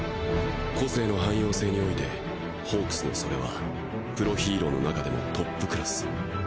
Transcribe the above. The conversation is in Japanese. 個性の汎用性においてホークスのそれはプロヒーローの中でもトップクラス。